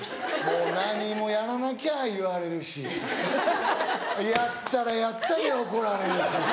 もう何もやらなきゃ言われるしやったらやったで怒られるし。